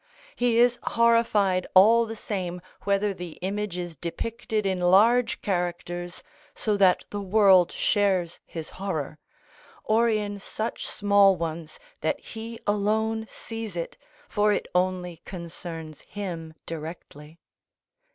He is horrified all the same whether the image is depicted in large characters, so that the world shares his horror, or in such small ones that he alone sees it, for it only concerns him directly.